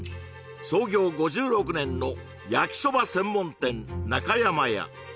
創業５６年の焼きそば専門店中山屋